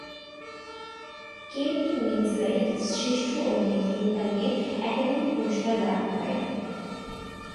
Kate Winslet শ্রেষ্ঠ অভিনেত্রী বিভাগে একাডেমি পুরস্কার লাভ করেন।